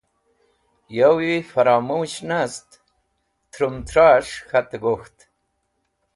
Yawi fromush nast trumtras̃h k̃hatẽ gok̃ht.